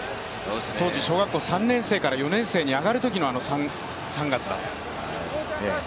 当時、小学校３年生から４年生に上がるときの３月だったと。